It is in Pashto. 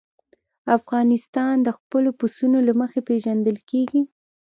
افغانستان د خپلو پسونو له مخې پېژندل کېږي.